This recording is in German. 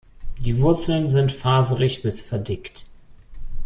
Die Wurzeln sind faserig bis verdickt.